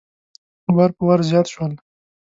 وار په وار زیات شول.